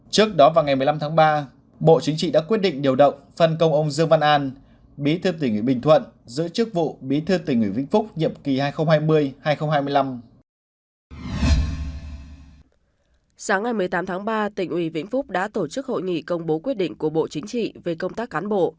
trước đó vào ngày một mươi năm tháng ba bộ chính trị đã quyết định điều động phân công ông dương văn an bí thư tỉnh uỷ bình thuận giữa chức vụ bí thư tỉnh uỷ vĩnh phúc nhiệm kỳ hai nghìn hai mươi hai nghìn hai mươi năm